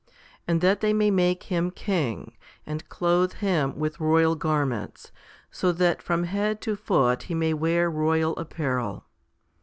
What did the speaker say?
"And that they may make him king, and clothe him with royal garments, so that from head to foot he may wear royal apparel."